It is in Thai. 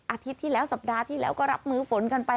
อาทิตย์ที่แล้วสัปดาห์ที่แล้วก็รับมือฝนกันไป